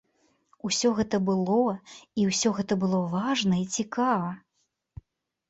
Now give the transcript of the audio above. Усё гэта было, і ўсё гэта было важна і цікава.